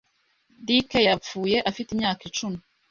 Dick yapfuye afite imyaka icumi.